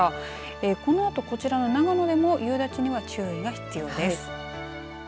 このあと、こちら長野でも夕立に注意が必要です。